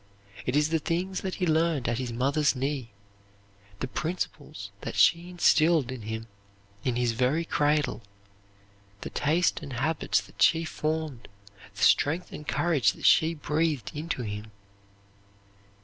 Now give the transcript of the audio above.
It is the things that he learned at his mother's knee, the principles that she instilled in him in his very cradle, the taste and habits that she formed, the strength and courage that she breathed into him.